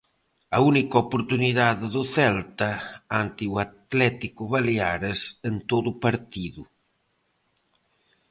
A única oportunidade do Celta ante o Atlético Baleares en todo o partido.